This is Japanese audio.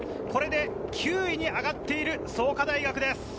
これで９位に上がっている創価大学です。